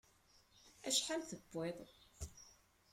Acḥal i tewwiḍ?